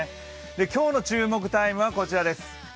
今日の注目タイムはこちらです。